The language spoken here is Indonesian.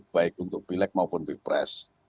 baik untuk bilek maupun bipres